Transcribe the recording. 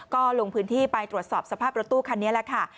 ก็ลงพื้นที่ไปตรวจสอบสภาพรถตู้คันนี้แหละค่ะ